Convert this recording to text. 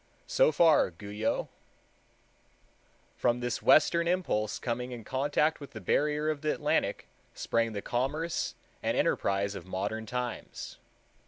So far Guyot. From this western impulse coming in contact with the barrier of the Atlantic sprang the commerce and enterprise of modern times.